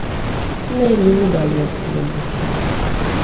— Не люба єси йому.